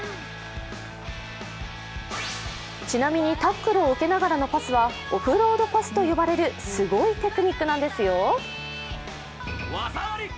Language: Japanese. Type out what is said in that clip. ちなみに、タックルを受けながらのパスはオフロードパスと呼ばれるすごいテクニックなんですよ。